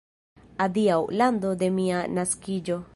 Adiaŭ, lando de mia naskiĝo!